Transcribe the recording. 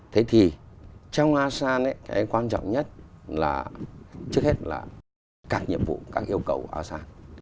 thế thì trong asean cái quan trọng nhất là trước hết là các nhiệm vụ các yêu cầu của asean